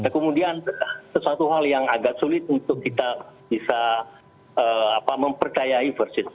kemudian sesuatu hal yang agak sulit untuk kita bisa mempercayai persis